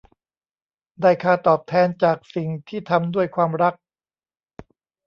ได้ค่าตอบแทนจากสิ่งที่ทำด้วยความรัก